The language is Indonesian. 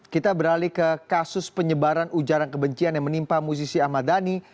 kita beralih ke kasus penyebaran ujaran kebencian yang menimpa musisi ahmad dhani